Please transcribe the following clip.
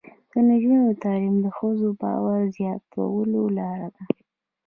د نجونو تعلیم د ښځو باور زیاتولو لاره ده.